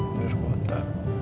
di luar kota